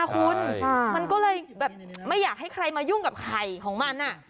คุณมันก็เลยแบบไม่อยากให้ใครมายุ่งกับไข่ของมัน